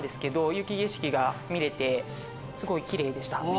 雪景色が見れてすごいキレイでした。